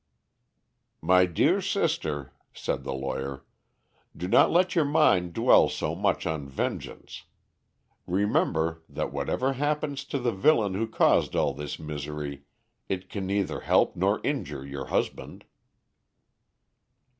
"My dear sister," said the lawyer, "do not let your mind dwell so much on vengeance. Remember that whatever happens to the villain who caused all this misery, it can neither help nor injure your husband."